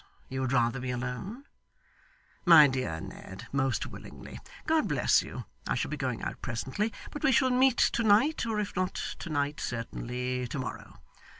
You would rather be alone? My dear Ned, most willingly. God bless you. I shall be going out presently, but we shall meet to night, or if not to night, certainly to morrow.